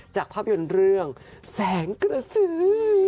จากภาพยนตร์เรื่องแสงกระสือ